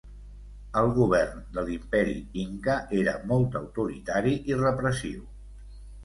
El govern de l'Imperi inca era molt autoritari i repressiu.